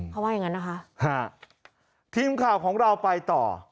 เขาว่าอย่างนั้นนะคะทีมข่าวของเราไปต่อ